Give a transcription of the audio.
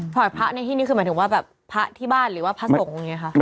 ถวายภะในที่นี่คือหมายถึงว่าแบบ